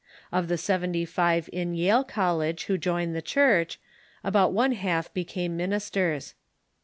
Of the seventy five in Yale College who joined the Church, about one half became ministers.